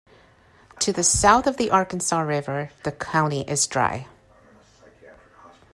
To the south of the Arkansas River, the county is dry.